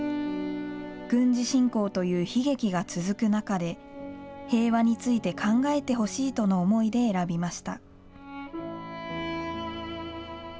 軍事侵攻という悲劇が続く中で、平和について考えてほしいとの思いで選びました。